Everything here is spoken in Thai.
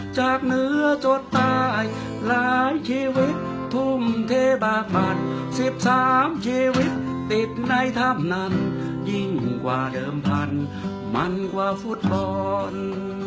อจากเหนือจนตายหลายชีวิตทุ่มเหลภาร์บัตรสิบสามชีวิตติดในธรรมนั้นยิ่งกว่าเดิมพันธ์มันกว่าฟุตบอล